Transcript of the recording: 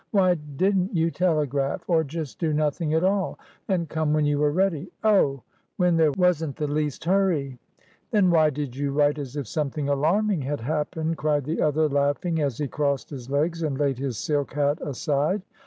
Why didn't you telegraphor just do nothing at all, and come when you were ready? Oh! When there wasn't the least hurry." "Then why did you write as if something alarming had happened?" cried the other, laughing, as he crossed his legs, and laid his silk hat aside.